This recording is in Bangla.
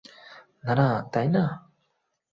না - না, তাইনা?